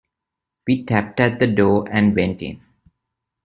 We tapped at the door and went in.